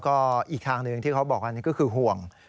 ก็อีกทางหนึ่งที่เขาบอกอันนี้ก็คือห่วง